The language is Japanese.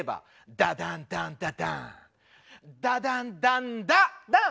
「ダダンダンダダンダダンダンダ」ダン。